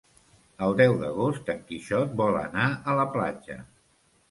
El deu d'agost en Quixot vol anar a la platja.